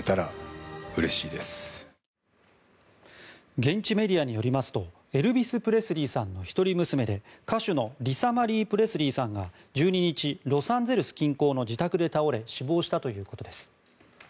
現地メディアによりますとエルビス・プレスリーさんの一人娘で歌手のリサ・マリー・プレスリーさんが１２日、ロサンゼルス近郊の自宅で倒れ死亡したということです。